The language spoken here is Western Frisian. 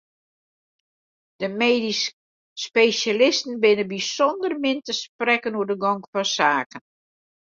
De medysk spesjalisten binne bysûnder min te sprekken oer de gong fan saken.